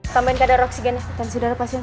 tambahin kadar oksigennya